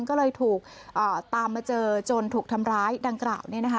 ก็เลยถูกตามมาเจอจนถูกทำร้ายดังกล่าว